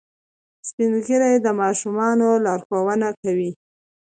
سپین ږیری د ماشومانو لارښوونه کوي